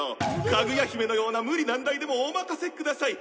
「かぐや姫のような無理難題でもお任せください！」